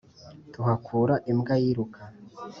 tuhakura imbwa yiruka